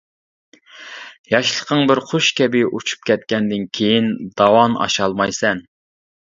ياشلىقىڭ بىر قۇش كەبى ئۇچۇپ كەتكەندىن كېيىن داۋان ئاشالمايسەن.